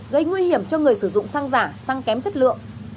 gây nguy hiểm cho người sử dụng xăng giả xăng kém chất lượng